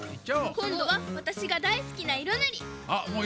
こんどはわたしがだいすきないろぬり！